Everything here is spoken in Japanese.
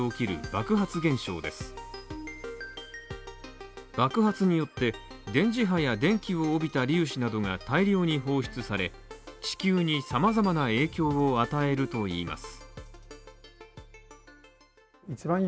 爆発によって電磁波や電気を帯びた粒子などが大量に放出され、地球に様々な影響を与えるといいます。